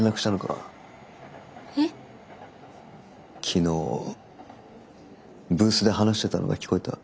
昨日ブースで話してたのが聞こえた。